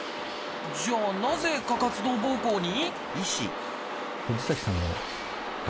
じゃあなぜ過活動ぼうこうに？